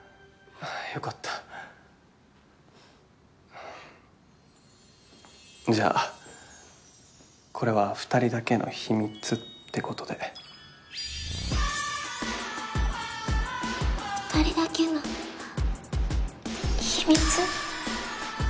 よかったじゃあこれは２人だけの秘密ってことで２人だけの秘密？